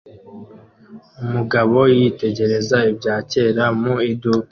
Umugabo yitegereza ibya kera mu iduka